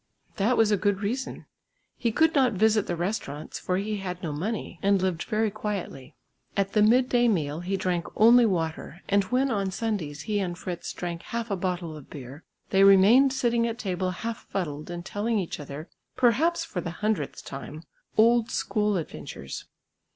That was a good reason. He could not visit the restaurants, for he had no money, and lived very quietly. At the midday meal he drank only water, and when on Sundays he and Fritz drank half a bottle of beer, they remained sitting at table half fuddled and telling each other, perhaps for the hundredth time, old school adventures.